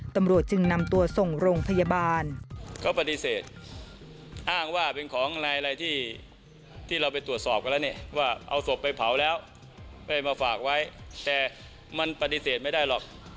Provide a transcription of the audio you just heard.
ตำรวจจึงนำตัวส่งโรงพยาบาล